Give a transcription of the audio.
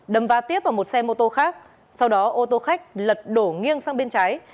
đâm va tiếp vào một xe mô tô khác sau đó ô tô khách lật đổ nghiêng sang bên trái